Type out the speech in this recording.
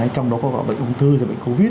trong đó có bệnh ung thư và bệnh covid